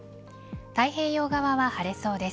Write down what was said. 太平洋側は晴れそうです。